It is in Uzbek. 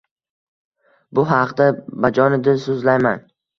bu haqda bajonidil soʻzlayman.